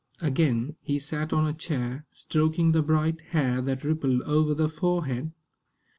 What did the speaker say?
Again, he sat on a chair, stroking the bright hair that rippled over the forehead.